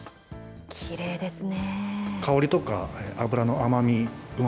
きれいですね。